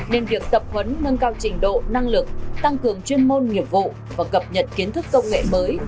nên việc tập huấn nâng cao trình độ năng lực tăng cường chuyên môn nghiệp vụ và cập nhật kiến thức công nghệ mới